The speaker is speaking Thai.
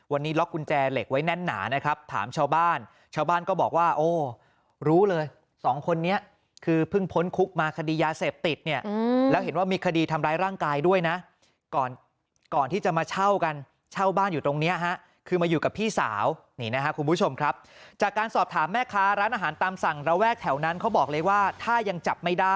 วันนี้ล็อกกุญแจเหล็กไว้แน่นหนานะครับถามชาวบ้านชาวบ้านชาวบ้านก็บอกว่าโอ้รู้เลยสองคนนี้คือเพิ่งพ้นคุกมาคดียาเสพติดเนี่ยแล้วเห็นว่ามีคดีทำร้ายร่างกายด้วยนะก่อนก่อนที่จะมาเช่ากันเช่าบ้านอยู่ตรงเนี้ยฮะคือมาอยู่กับพี่สาวนี่นะครับคุณผู้ชมครับจากการสอบถามแม่ค้าร้านอาหารตามสั่งระแวกแถวนั้นเขาบอกเลยว่าถ้ายังจับไม่ได้